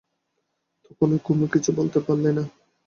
তখনই কুমু কিছু বলতে পারলে না।